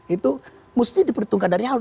itu mesti diperhitungkan dari awal